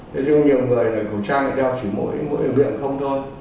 thế chứ không nhiều người là khẩu trang đeo chỉ mũi mũi và miệng không thôi